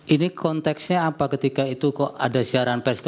ini konteksnya apa ketika itu kok ada siaran pers